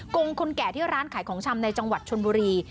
กงคนแก่ที่ร้านขายของชำในจังหวัดชนบุรี